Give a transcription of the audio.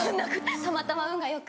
たまたま運がよく。